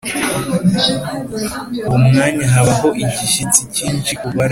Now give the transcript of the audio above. Uwo mwanya habaho igishyitsi cyinshi kubaraho